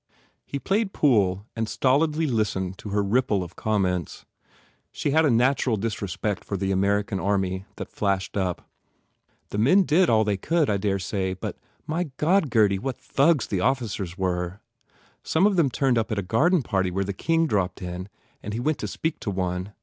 He played pool and stolidly listened to her rip ple of comments. She had a natural disrespect for the American army that flashed up. "The men did all they could, I dare say, but, my God, Gurdy, what thugs the officers were! Some of them turned up at a garden party where the King dropped in and he went to speak to one.